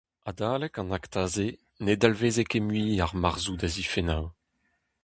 Adalek an akta-se ne dalveze ket mui ar Marzoù da zifennoù.